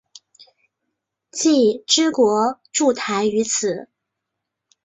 既之国筑台于此。